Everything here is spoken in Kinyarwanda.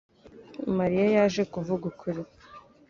mariya yaje kuvuga ukuri